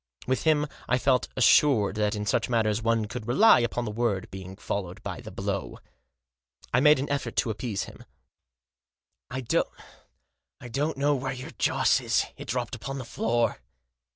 With him I felt assured that in such matters one could rely upon the word being followed by the blow. I made an effort to appease him. Digitized by 220 THE JOSS. " I don't know where your Joss is. It dropped upon the floor."